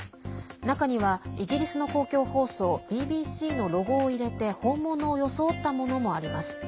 中にはイギリスの公共放送ＢＢＣのロゴを入れて本物を装ったものもあります。